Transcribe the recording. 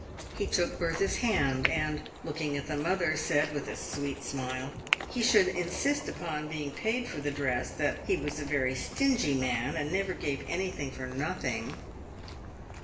He took Bertha's hand, and, looking at the mother, said, with a sweet smile, he should insist upon being paid for the dress — that he was a very stingy man, and never gave anything for nothing.